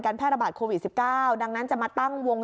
แพร่ระบาดโควิด๑๙ดังนั้นจะมาตั้งวง